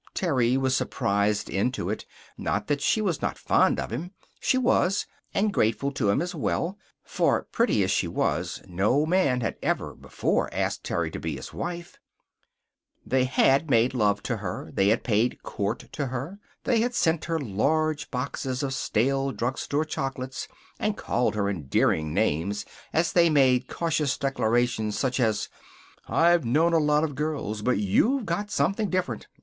Terry was surprised into it. Not that she was not fond of him. She was; and grateful to him, as well. For, pretty as she was, no man had ever before asked Terry to be his wife. They had made love to her. They had paid court to her. They had sent her large boxes of stale drugstore chocolates, and called her endearing names as they made cautious declarations such as: "I've known a lot of girls, but you've got something different.